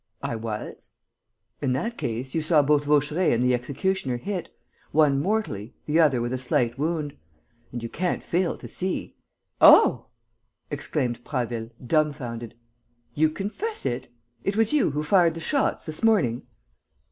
"I was." "In that case, you saw both Vaucheray and the executioner hit, one mortally, the other with a slight wound. And you can't fail to see...." "Oh," exclaimed Prasville, dumbfounded, "you confess it? It was you who fired the shots, this morning?"